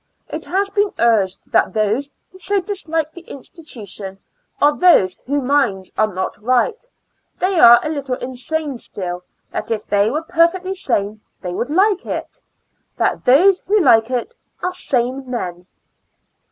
It has been urged that those who so dislike the institution are those whose minds are not right; they are a little insane still, that if they were perfectly sane they would like it — that those who like it are sane men.